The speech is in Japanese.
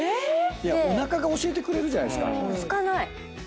おなかが教えてくれるじゃないですか。